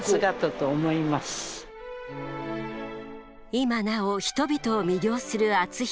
今なお人々を魅了する篤姫。